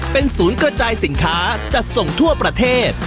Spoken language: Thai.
เป็นศูนย์กระจายสินค้าจัดส่งทั่วประเทศ